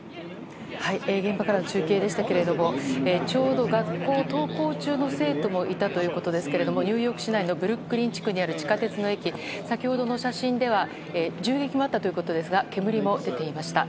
現場からの中継でしたけれどもちょうど学校、登校中の生徒もいたということですがニューヨーク市内のブルックリン地区にある地下鉄の駅先ほどの写真では銃撃があったということですが煙も出ていました。